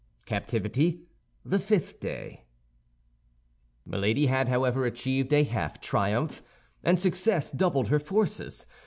CAPTIVITY: THE FIFTH DAY Milady had however achieved a half triumph, and success doubled her forces.